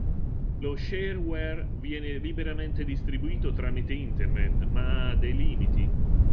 Lo shareware viene liberamente distribuito tramite internet ma ha dei limiti.